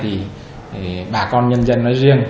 thì bà con nhân dân nói riêng